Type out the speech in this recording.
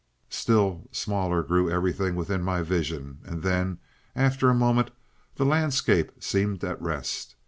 "Still smaller grew everything within my vision, and then, after a moment, the landscape seemed at rest.